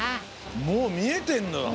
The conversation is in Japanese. もうみえてんのよ。